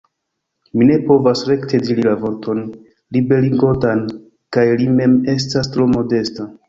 Mi ne povas rekte diri la vorton liberigontan, kaj li mem estas tro modesta!